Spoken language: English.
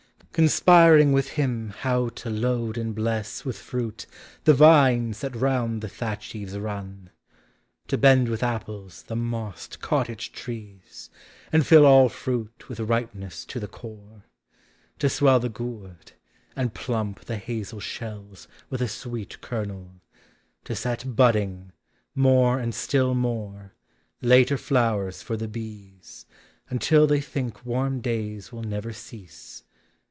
Conspiring with him how to load and bless With fruit the vines that round the thatch eaves run — To bend with apples the mossed cottage trees, And fill all fruit with ripeness to the core To swell the gourd, and plump Hie hazel shells With a sweet kernel— to set budding, more And still more, later flowers for Hie I.e. . Until the}' think warm days will never cease.